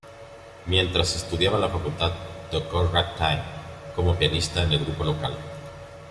Mientras estudiaba en la facultad, tocó ragtime como pianista en el grupo local.